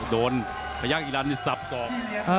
โดนพยักหิรันที่สับสอก